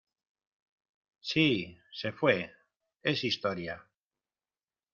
¡ Sí! ¡ se fué !¡ es historia !